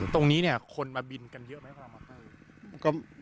ตรงนี้เนี่ยคนมาบินกันเยอะไหมคะ